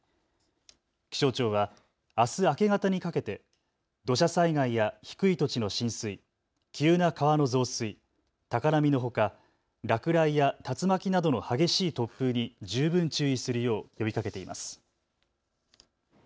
気象庁はあす明け方にかけて土砂災害や低い土地の浸水、急な川の増水、高波のほか、落雷や竜巻などの激しい突風に十分注意するよう呼びかけています。